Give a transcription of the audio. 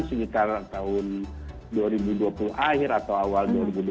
sekitar tahun dua ribu dua puluh akhir atau awal dua ribu dua puluh